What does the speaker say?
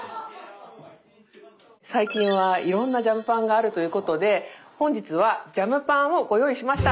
最近はいろんなジャムパンがあるということで本日はジャムパンをご用意しました。